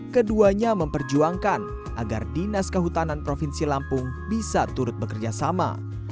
keduanya memperjuangkan agar dinas kehutanan provinsi lampung bisa turut bekerja sama